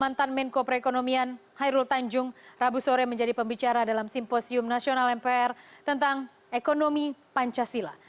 mantan menko perekonomian hairul tanjung rabu sore menjadi pembicara dalam simposium nasional mpr tentang ekonomi pancasila